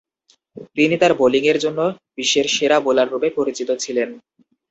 তিনি তার বোলিংয়ের জন্য বিশ্বের সেরা বোলাররূপে পরিচিত ছিলেন।